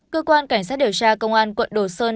cơ quan cảnh sát điều tra công an quận đồ sơn